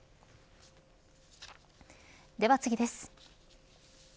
では次です。